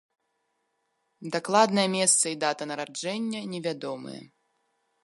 Дакладнае месца і дата нараджэння невядомыя.